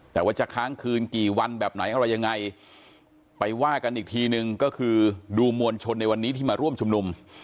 แต่ว่าจะค้างคืนกี่วันแบบไหนอะไรยังไงไปว่ากันอีกทีนึงก็คือดูมวลชนในวันนี้ที่มาร่วมชุมนุม